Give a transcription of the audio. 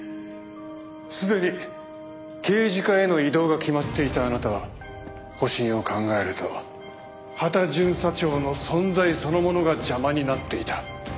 すでに刑事課への異動が決まっていたあなたは保身を考えると羽田巡査長の存在そのものが邪魔になっていた。